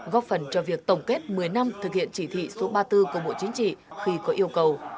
góp phần cho việc tổng kết một mươi năm thực hiện chỉ thị số ba mươi bốn của bộ chính trị khi có yêu cầu